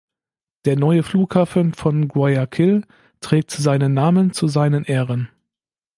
Der neue Flughafen von Guayaquil trägt seinen Namen zu seinen Ehren.